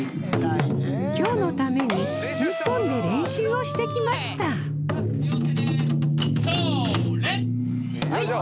今日のために日本で練習をしてきました・そーれ！